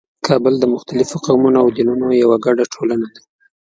کابل د مختلفو قومونو او دینونو یوه ګډه ټولنه ده.